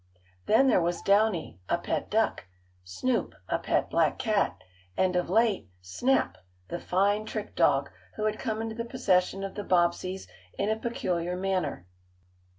Then there was Downy, a pet duck; Snoop, a pet black cat, and, of late, Snap, the fine trick dog, who had come into the possession of the Bobbseys in a peculiar manner.